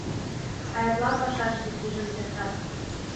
— А эрла пашашке пижын кертат.